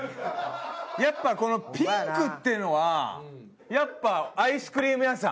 やっぱこのピンクっていうのはやっぱアイスクリーム屋さん。